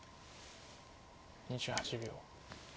２８秒。